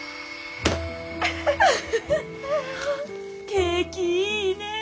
景気いいねえ！